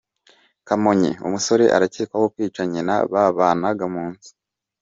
Kamonyi: Umusore arakekwaho kwica nyina babanaga mu nzu.